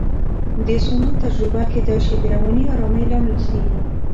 د سونا تجربه کېدای شي د رواني آرامۍ لامل شي.